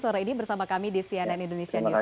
sore ini bersama kami di cnn indonesia news update